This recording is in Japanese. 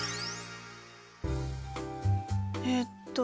えっと